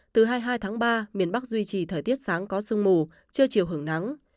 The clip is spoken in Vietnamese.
từ hai mươi hai tháng ba miền bắc duy trì thời tiết sáng có sương mù trưa chiều hưởng nắng